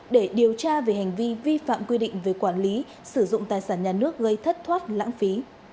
để điều tra về hành vi vi phạm quy định về quản lý sử dụng tài sản nhà nước gây thất thoát lãng phí